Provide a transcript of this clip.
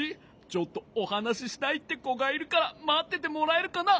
ちょっとおはなししたいってこがいるからまっててもらえるかな？